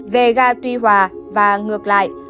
về gà tuy hòa và ngược lại